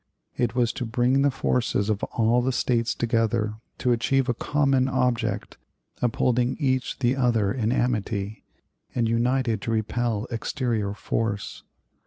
It was to bring the forces of all the States together to achieve a common object, upholding each the other in amity, and united to repel exterior force.